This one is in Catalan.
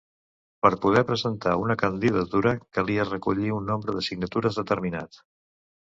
Per poder presentar una candidatura calia recollir un nombre de signatures determinat.